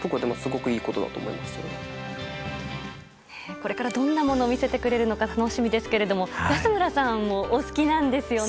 これからどんなものを見せてくれるのか楽しみですが安村さんもお好きなんですよね？